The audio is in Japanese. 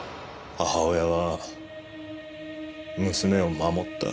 母親は娘を守った。